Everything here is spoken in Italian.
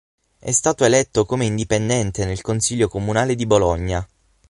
È stato eletto come indipendente nel Consiglio Comunale di Bologna.